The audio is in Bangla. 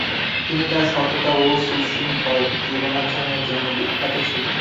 তিনি তাঁর সততা ও সুশৃঙ্খল জীবনাচরণের জন্য বিখ্যাত ছিলেন।